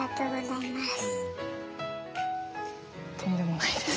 とんでもないです。